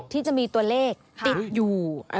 ที่จะมีตัวเลขติดอยู่